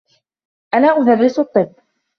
أنا أدرس الطّب.